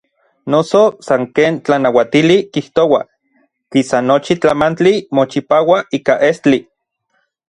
Noso san ken tlanauatili kijtoua, kisa nochi tlamantli mochipaua ika estli.